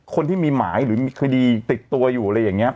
คนที่มีหมายหรือมีคดีติดตัวอยู่อะไรอย่างนี้